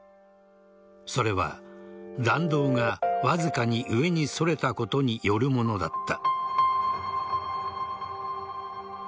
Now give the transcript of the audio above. それは、弾道がわずかに上にそれたことによるものだった。